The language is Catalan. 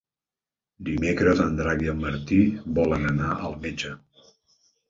Dimecres en Drac i en Martí volen anar al metge.